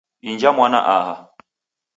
Inja mwana aha.